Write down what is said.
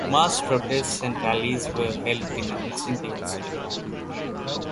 Mass protests and rallies were held denouncing the incident.